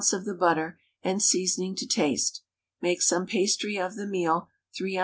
of the butter and seasoning to taste; make some pastry of the meal, 3 oz.